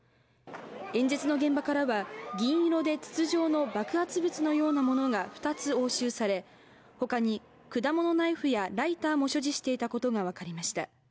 演説の現場からは銀色で筒状の爆発物のようなものが２つ押収され、ほかに果物ナイフやライターも所持していたことが分かりました。